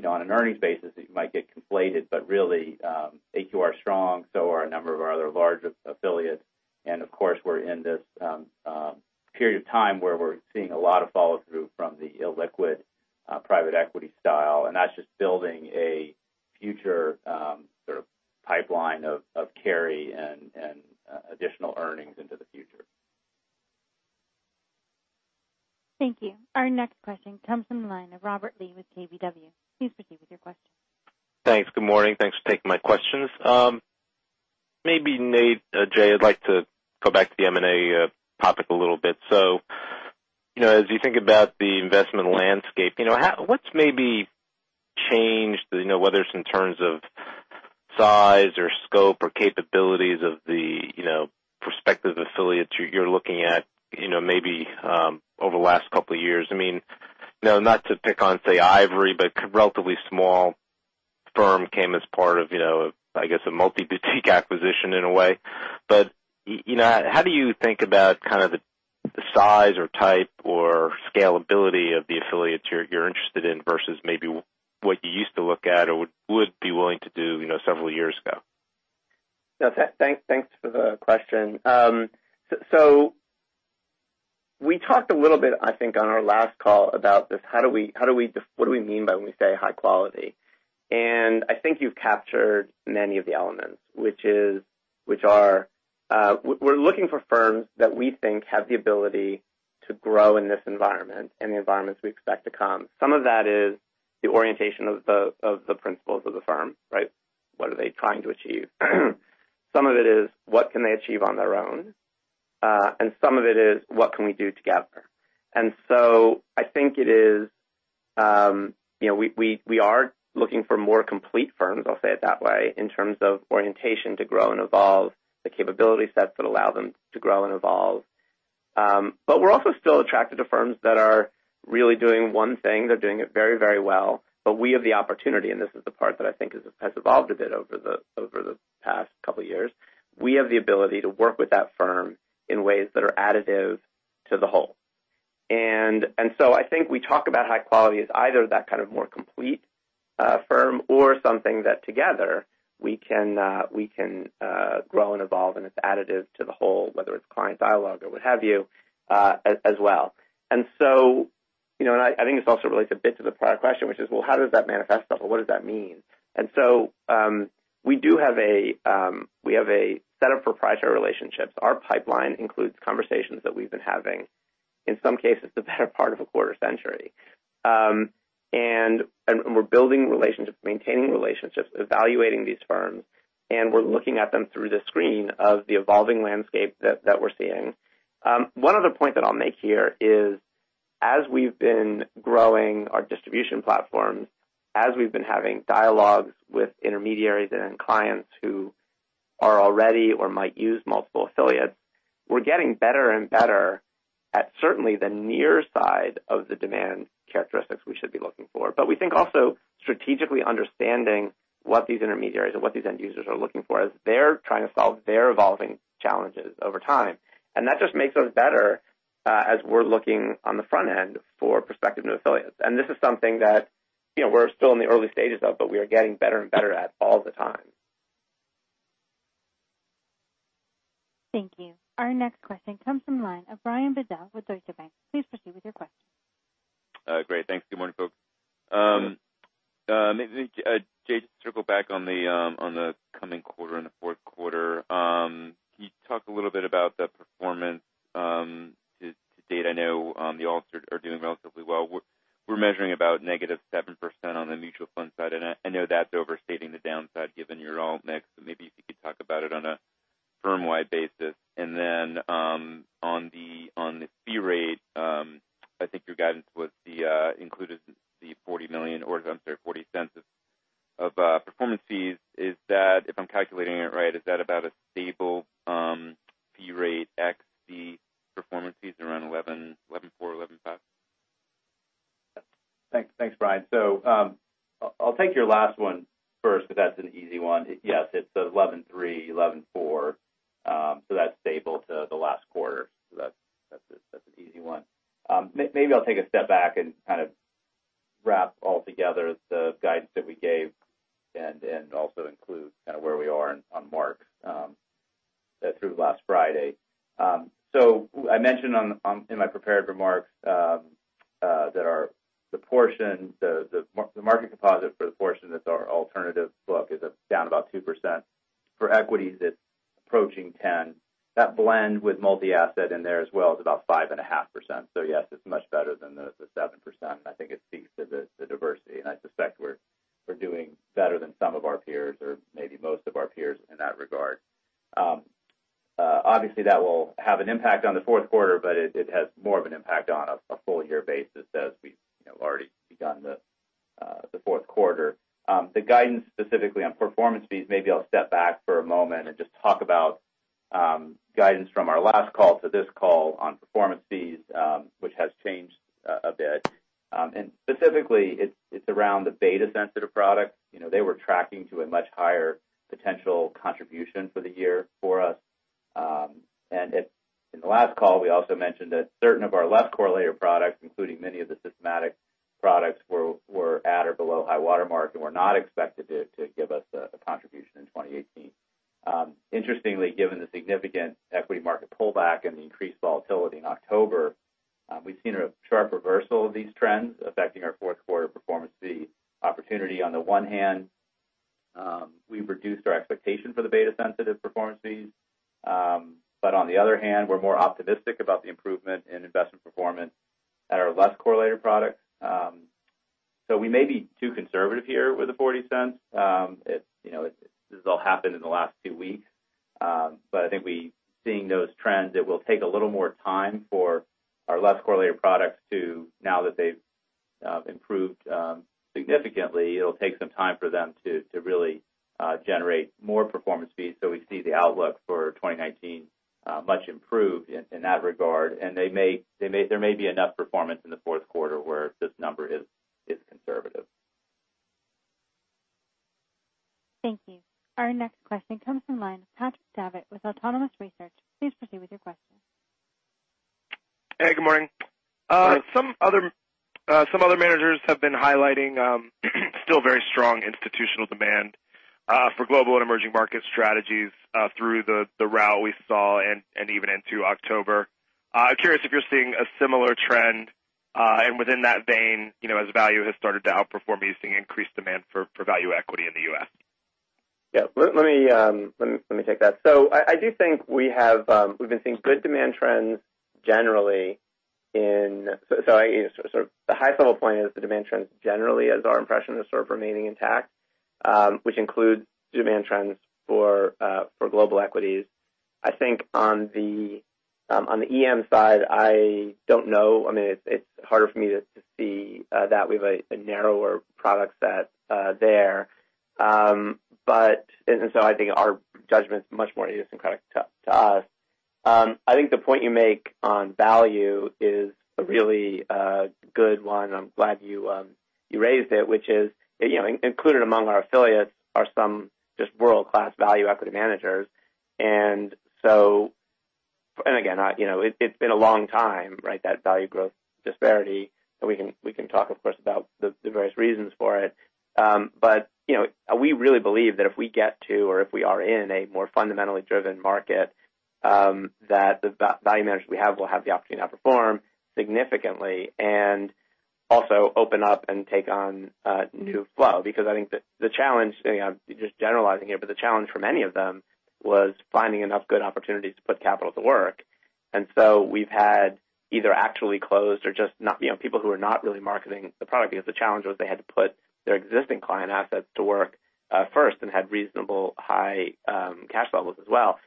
on an earnings basis, it might get conflated, but really AQR is strong, so are a number of our other large affiliates. Of course, we're in this period of time where we're seeing a lot of follow-through from the illiquid private equity style, and that's just building a future sort of pipeline of carry and additional earnings into the future. Thank you. Our next question comes from the line of Robert Lee with KBW. Please proceed with your question. Thanks. Good morning. Thanks for taking my questions. Maybe Nate, Jay, I'd like to go back to the M&A topic a little bit. As you think about the investment landscape, what's maybe changed, whether it's in terms of size or scope or capabilities of the prospective affiliates you're looking at maybe over the last couple of years. Not to pick on, say, Ivory, but relatively small firm came as part of a multi-boutique acquisition in a way. How do you think about the size or type or scalability of the affiliates you're interested in versus maybe what you used to look at or would be willing to do several years ago? Thanks for the question. We talked a little bit, I think, on our last call about this. What do we mean when we say high quality? I think you've captured many of the elements, which are, we're looking for firms that we think have the ability to grow in this environment and the environments we expect to come. Some of that is the orientation of the principals of the firm, right? What are they trying to achieve? Some of it is what can they achieve on their own? Some of it is what can we do together? I think we are looking for more complete firms, I'll say it that way, in terms of orientation to grow and evolve, the capability sets that allow them to grow and evolve. We're also still attracted to firms that are really doing one thing. They're doing it very well. We have the opportunity, and this is the part that I think has evolved a bit over the past couple of years. We have the ability to work with that firm in ways that are additive to the whole. I think we talk about high quality as either that kind of more complete firm or something that together we can grow and evolve, and it's additive to the whole, whether it's client dialogue or what have you as well. I think this also relates a bit to the prior question, which is, well, how does that manifest itself? What does that mean? We do have a set of proprietary relationships. Our pipeline includes conversations that we've been having, in some cases, the better part of a quarter century. We're building relationships, maintaining relationships, evaluating these firms, and we're looking at them through the screen of the evolving landscape that we're seeing. One other point that I'll make here is as we've been growing our distribution platforms, as we've been having dialogues with intermediaries and clients who are already or might use multiple affiliates, we're getting better and better at certainly the near side of the demand characteristics we should be looking for. We think also strategically understanding what these intermediaries and what these end users are looking for as they're trying to solve their evolving challenges over time. That just makes us better as we're looking on the front end for prospective new affiliates. This is something that we're still in the early stages of, but we are getting better and better at all the time. Thank you. Our next question comes from the line of Brian Bedell with Deutsche Bank. Please proceed with your question. Great. Thanks. Good morning, folks. Good morning. Maybe, Jay, to circle back on the coming quarter, in the fourth quarter. Can you talk a little bit about the performance to date? I know the alts are doing relatively well. We're measuring about -7% on the mutual fund side, and I know that's overstating the downside given your alt mix. Maybe if you could talk about it on a firm-wide basis. Then on the fee rate, I think your guidance included the $40 million, or I'm sorry, $0.40 of performance fees. If I'm calculating it right, is that about a stable fee rate X the performance fees around 11.4, 11.5? Thanks, Brian. I'll take your last one first because that's an easy one. Yes, it's 11.3, 11.4. That's stable to the last quarter. That's an easy one. Maybe I'll take a step back and wrap all together the guidance that we gave and also include where we are on marks through last Friday. I mentioned in my prepared remarks that the market deposit for the portion that's our alternative book is down about 2%. For equities, it's approaching 10. That blend with multi-asset in there as well is about 5.5%. Yes, it's much better than the 7%, and I think it speaks to the diversity. I suspect we're doing better than some of our peers or maybe most of our peers in that regard. Obviously, that will have an impact on the fourth quarter, but it has more of an impact on a full year basis as we've already begun the fourth quarter. The guidance specifically on performance fees, maybe I'll step back for a moment and just talk about guidance from our last call to this call on performance fees which has changed a bit. Specifically, it's around the beta sensitive products. They were tracking to a much higher potential contribution for the year for us. In the last call, we also mentioned that certain of our less correlated products, including many of the systematic products, were at or below high-water mark and were not expected to give us a contribution in 2018. Interestingly, given the significant equity market pullback and the increased volatility in October, we've seen a sharp reversal of these trends affecting our fourth quarter performance fee opportunity. On the one hand, we've reduced our expectation for the beta sensitive performance fees. On the other hand, we're more optimistic about the improvement in investment performance at our less correlated products. We may be too conservative here with the $0.40. This has all happened in the last two weeks. I think we, seeing those trends, it will take a little more time for our less correlated products to, now that they've improved significantly, it'll take some time for them to really generate more performance fees. We see the outlook for 2019 much improved in that regard. There may be enough performance in the fourth quarter where this number is conservative. Thank you. Our next question comes from the line of Patrick Davitt with Autonomous Research. Please proceed with your question. Hey, good morning. Good morning. Some other managers have been highlighting still very strong institutional demand for global and emerging market strategies through the rout we saw and even into October. I'm curious if you're seeing a similar trend. Within that vein, as value has started to outperform, are you seeing increased demand for value equity in the U.S.? Yeah. Let me take that. I do think we've been seeing good demand trends generally. The high-level point is the demand trends generally as our impression is sort of remaining intact, which includes demand trends for global equities. I think on the EM side, I don't know. It's harder for me to see that. We have a narrower product set there. I think our judgment's much more idiosyncratic to us. I think the point you make on value is a really good one. I'm glad you raised it, which is, included among our affiliates are some just world-class value equity managers. Again, it's been a long time, that value growth disparity. We can talk, of course, about the various reasons for it. We really believe that if we get to, or if we are in a more fundamentally driven market, that the value managers we have will have the opportunity to outperform significantly and also open up and take on new flow. Because I think the challenge, just generalizing here, but the challenge for many of them was finding enough good opportunities to put capital to work. We've had either actually closed or just people who are not really marketing the product because the challenge was they had to put their existing client assets to work first and had reasonably high cash levels as well.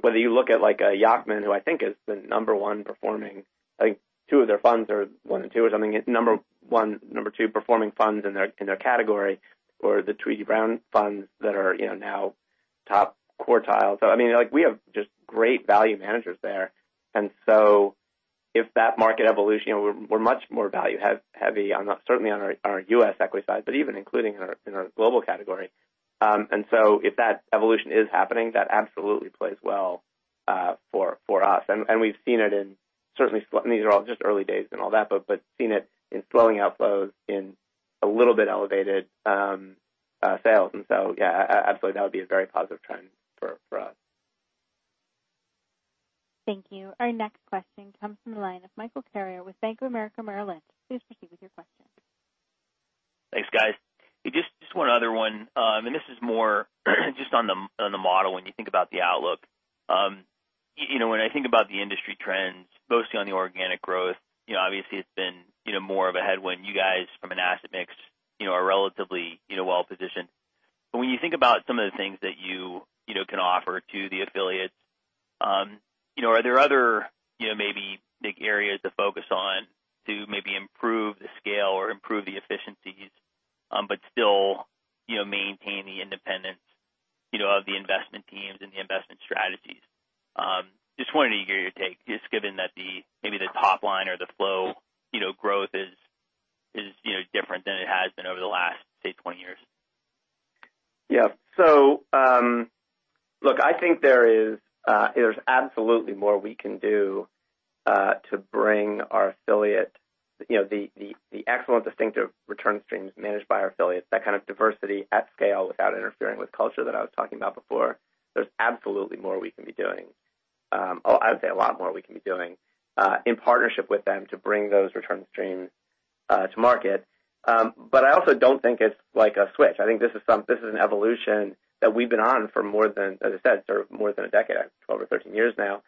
Whether you look at a Yacktman, who I think is the number one performing, I think two of their funds are one and two or something, number one, number two performing funds in their category, or the Tweedy, Browne funds that are now top quartile. We have just great value managers there. If that market evolution, we're much more value-heavy, certainly on our U.S. equity side, but even including in our global category. If that evolution is happening, that absolutely plays well for us. We've seen it in certainly, these are all just early days and all that, but seen it in slowing outflows in a little bit elevated sales. Yeah, absolutely, that would be a very positive trend for us. Thank you. Our next question comes from the line of Michael Carrier with Bank of America Merrill Lynch. Please proceed with your question. Thanks, guys. Just one other one. This is more just on the model when you think about the outlook. When I think about the industry trends, mostly on the organic growth, obviously it's been more of a headwind. You guys, from an asset mix, are relatively well-positioned. When you think about some of the things that you can offer to the affiliates, are there other maybe big areas to focus on to maybe improve the scale or improve the efficiencies, but still maintain the independence of the investment teams and the investment strategies? Just wanted to hear your take, just given that maybe the top line or the flow growth is different than it has been over the last, say, 20 years. Yeah. Look, I think there's absolutely more we can do to bring The excellent distinctive return streams managed by our affiliates, that kind of diversity at scale without interfering with culture that I was talking about before. There's absolutely more we can be doing. I would say a lot more we can be doing in partnership with them to bring those return streams to market. I also don't think it's like a switch. I think this is an evolution that we've been on for more than, as I said, more than a decade, 12 or 13 years now,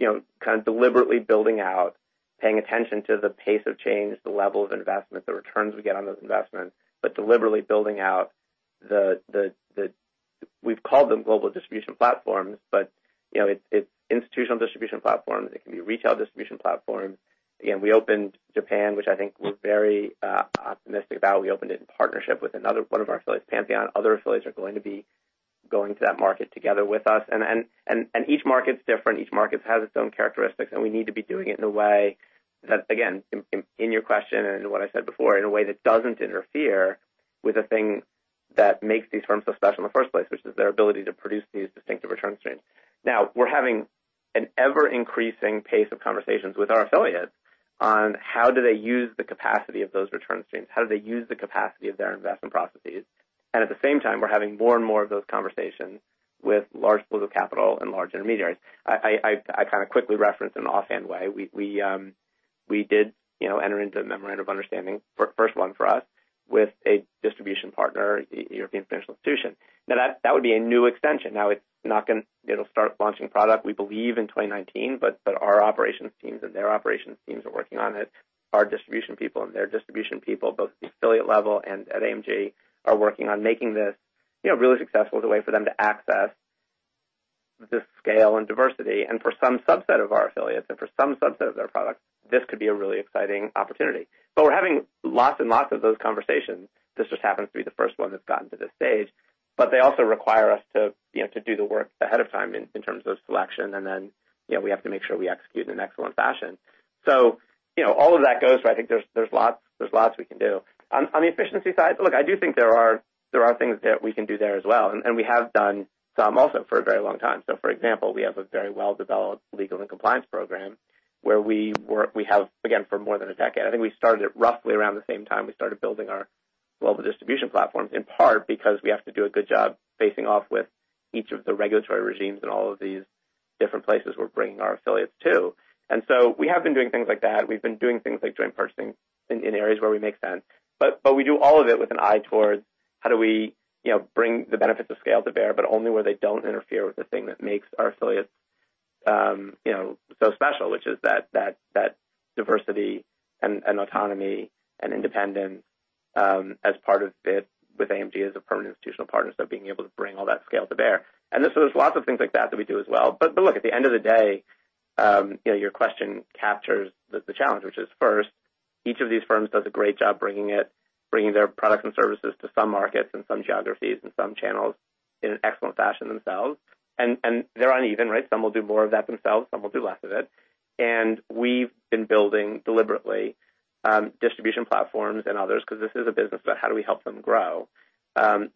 kind of deliberately building out, paying attention to the pace of change, the level of investment, the returns we get on those investments. It's institutional distribution platforms. It can be retail distribution platforms. We opened Japan, which I think we're very optimistic about. We opened it in partnership with one of our affiliates, Pantheon. Other affiliates are going to be going to that market together with us. Each market's different. Each market has its own characteristics, and we need to be doing it in a way that, again, in your question and what I said before, in a way that doesn't interfere with the thing that makes these firms so special in the first place, which is their ability to produce these distinctive return streams. Now, we're having an ever-increasing pace of conversations with our affiliates on how do they use the capacity of those return streams. How do they use the capacity of their investment processes? At the same time, we're having more and more of those conversations with large pools of capital and large intermediaries. I kind of quickly referenced in an offhand way, we did enter into a memorandum of understanding, first one for us, with a distribution partner, European financial institution. That would be a new extension. It'll start launching product, we believe, in 2019, but our operations teams and their operations teams are working on it. Our distribution people and their distribution people, both at the affiliate level and at AMG, are working on making this really successful as a way for them to access the scale and diversity. For some subset of our affiliates and for some subset of their products, this could be a really exciting opportunity. We're having lots and lots of those conversations. This just happens to be the first one that's gotten to this stage. They also require us to do the work ahead of time in terms of selection, and then we have to make sure we execute in an excellent fashion. All of that goes, but I think there's lots we can do. On the efficiency side, look, I do think there are things that we can do there as well, and we have done some also for a very long time. For example, we have a very well-developed legal and compliance program where we have, again, for more than a decade. I think we started it roughly around the same time we started building our global distribution platforms, in part because we have to do a good job facing off with each of the regulatory regimes in all of these different places we're bringing our affiliates to. We have been doing things like that. We've been doing things like joint purchasing in areas where we make sense. We do all of it with an eye towards how do we bring the benefits of scale to bear, but only where they don't interfere with the thing that makes our affiliates so special, which is that diversity and autonomy and independence as part of it with AMG as a permanent institutional partner. Being able to bring all that scale to bear. There's lots of things like that that we do as well. Look, at the end of the day, your question captures the challenge, which is first, each of these firms does a great job bringing their products and services to some markets and some geographies and some channels in an excellent fashion themselves. They're uneven, right? Some will do more of that themselves, some will do less of it. We've been building deliberately distribution platforms and others because this is a business about how do we help them grow.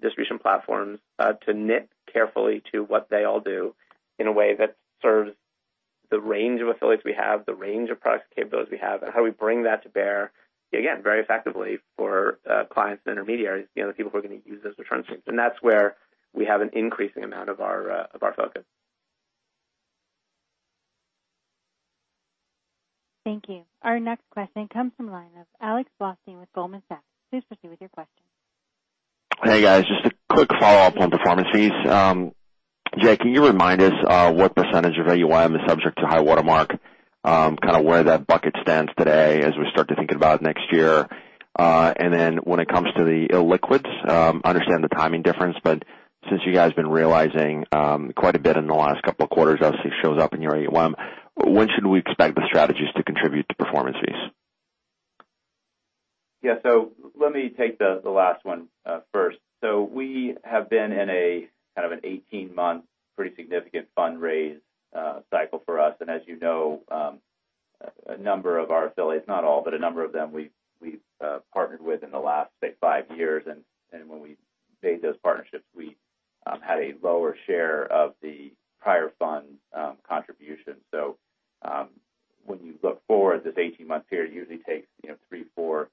Distribution platforms to knit carefully to what they all do in a way that serves the range of affiliates we have, the range of product capabilities we have, and how do we bring that to bear, again, very effectively for clients and intermediaries, the people who are going to use those return streams. That's where we have an increasing amount of our focus. Thank you. Our next question comes from the line of Alex Blostein with Goldman Sachs. Please proceed with your question. Hey, guys. Just a quick follow-up on performance fees. Jay, can you remind us what percentage of AUM is subject to high-water mark, kind of where that bucket stands today as we start to think about next year? When it comes to the illiquids, I understand the timing difference, but since you guys have been realizing quite a bit in the last couple of quarters as it shows up in your AUM, when should we expect the strategies to contribute to performance fees? Yeah. Let me take the last one first. We have been in a kind of an 18-month pretty significant fundraise cycle for us. As you know, a number of our affiliates, not all, but a number of them we've partnered with in the last, say, five years. When we made those partnerships, we had a lower share of the prior fund contribution. When you look forward, this 18-month period usually takes three, four, in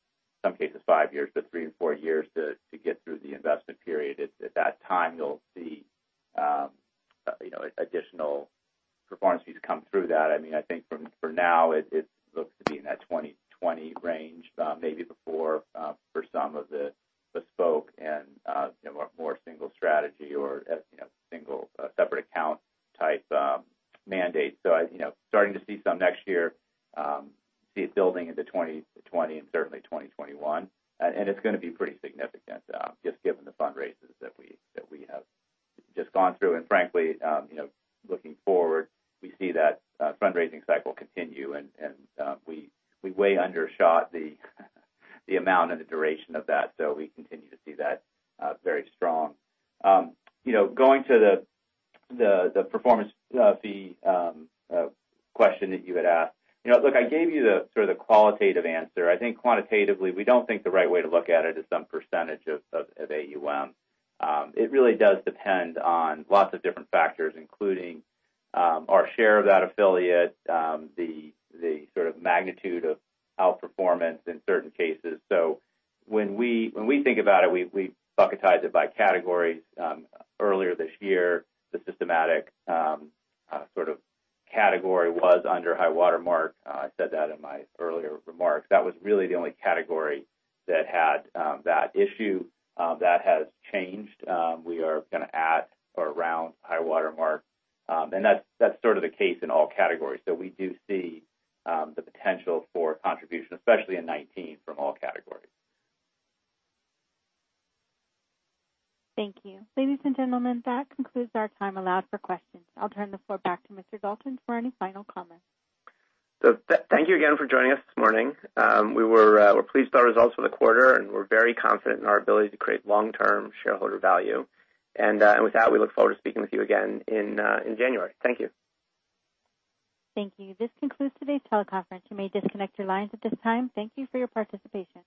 some cases, five years, but three and four years to get through the investment period. At that time, you'll see additional performance fees come through that. I think for now, it looks to be in that 2020 range, maybe before for some of the bespoke and more single strategy or single separate account type mandates. Starting to see some next year, see it building into 2020 and certainly 2021. It's going to be pretty significant just given the fundraises that we have just gone through. Frankly, looking forward, we see that fundraising cycle continue, and we way undershot the amount and the duration of that. We continue to see that very strong. Going to the performance fee question that you had asked. Look, I gave you the sort of the qualitative answer. I think quantitatively, we don't think the right way to look at it is some percentage of AUM. It really does depend on lots of different factors, including our share of that affiliate, the sort of magnitude of outperformance in certain cases. When we think about it, we bucketize it by categories. Earlier this year, the systematic sort of category was under high-water mark. I said that in my earlier remarks. That was really the only category that had that issue. That has changed. We are going to add around high-water mark. That's sort of the case in all categories. We do see the potential for contribution, especially in 2019, from all categories. Thank you. Ladies and gentlemen, that concludes our time allowed for questions. I'll turn the floor back to Mr. Dalton for any final comments. Thank you again for joining us this morning. We're pleased by our results for the quarter, and we're very confident in our ability to create long-term shareholder value. With that, we look forward to speaking with you again in January. Thank you. Thank you. This concludes today's teleconference. You may disconnect your lines at this time. Thank you for your participation.